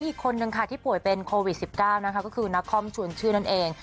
อีกคนนึงค่ะที่ป่วยเป็นโควิด๑๙นะคะก็คือนักคอมชวนชื่อนั่นเอง